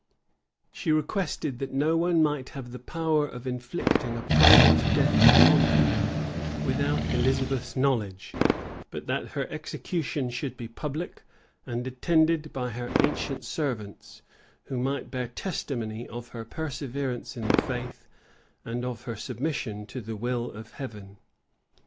She requested, that no one might have the power of inflicting a private death upon her, without Elizabeth's knowledge; but that her execution should be public, and attended by her ancient servants, who might bear testimony of her perseverance in the faith, and of her submission to the will of Heaven.